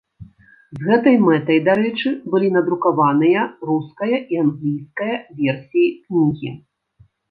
З гэтай мэтай, дарэчы, былі надрукаваныя руская і англійская версіі кнігі.